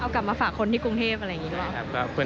เอากลับมาฝากคนที่กรุงเทพฯอะไรอย่างนี้หรือเปล่า